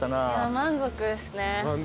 満足ですね。